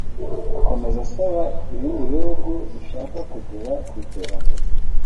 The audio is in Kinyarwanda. Akomeza asaba ibindi bihugu bishaka kugera ku iterambere